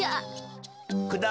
くだ。